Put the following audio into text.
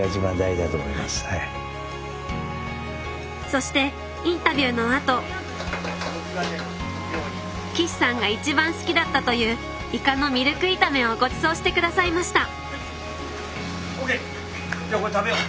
そしてインタビューのあと岸さんが一番好きだったというイカのミルク炒めをごちそうしてくださいましたオーケー？